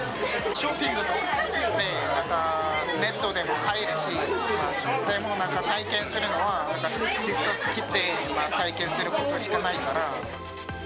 ショッピングとかは、ネットでも買えるし、でも、なんか、体験するのは、実際来て体験することしかないから。